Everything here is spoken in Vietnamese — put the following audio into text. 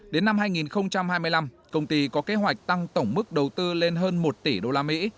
đến năm hai nghìn hai mươi năm công ty có kế hoạch tăng tổng mức đầu tư lên hơn một tỷ đô la mỹ